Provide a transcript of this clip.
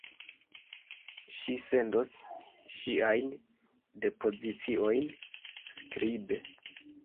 Ŝi sendos siajn depoziciojn skribe.